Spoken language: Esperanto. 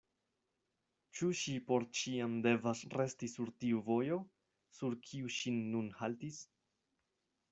Ĉu ŝi por ĉiam devas resti sur tiu vojo, sur kiu ŝi nun haltis?